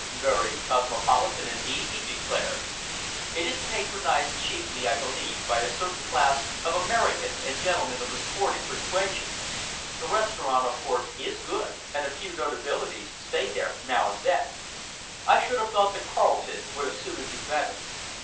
"Very cosmopolitan indeed," he declared. "It is patronized chiefly, I believe, by a certain class of Americans and gentlemen of the sporting persuasion. The restaurant, of course, is good, and a few notabilities stay there now and then. I should have thought the Carlton would have suited you better."